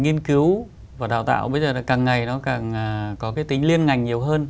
nghiên cứu và đào tạo bây giờ là càng ngày nó càng có cái tính liên ngành nhiều hơn